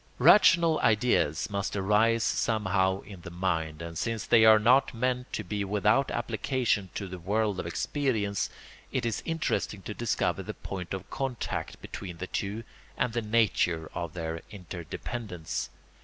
] Rational ideas must arise somehow in the mind, and since they are not meant to be without application to the world of experience, it is interesting to discover the point of contact between the two and the nature of their interdependence.